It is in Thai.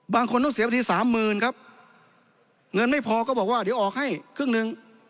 บางคนต้องเสียไปทีสามหมื่นครับเงินไม่พอก็บอกว่าเดี๋ยวออกให้ครึ่งหนึ่ง